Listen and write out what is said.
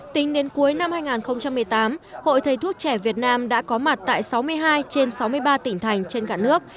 tính đến cuối năm hai nghìn một mươi tám hội thầy thuốc trẻ việt nam đã có mặt tại sáu mươi hai trên sáu mươi ba tỉnh thành trên cả nước